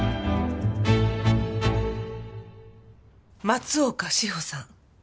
松岡志保さん。